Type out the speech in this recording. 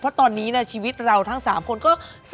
เพราะตอนนี้ชีวิตเราทั้ง๓คนก็